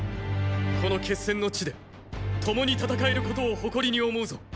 この決戦の地で共に戦えることを誇りに思うぞ。